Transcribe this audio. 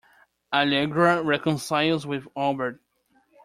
Allegra reconciles with Albert.